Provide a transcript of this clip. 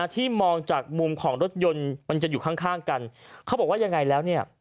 ที่มองจากมุมของรถยนต์มันจะอยู่ข้างข้างกันเขาบอกว่ายังไงแล้วเนี่ย